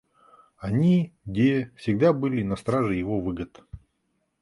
Они-де всегда были на страже его выгод.